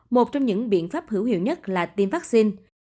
một trong những biện pháp hữu hiệu nhất là tiêm vắc xin